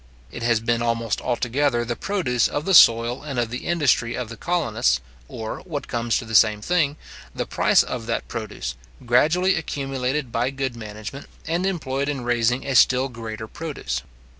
It has been almost altogether the produce of the soil and of the industry of the colonists, or, what comes to the same thing, the price of that produce, gradually accumulated by good management, and employed in raising a still greater produce.